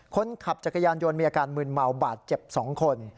คนขับจักรยานยนต์มีอาการมืนเมาบาดเจ็บ๒คน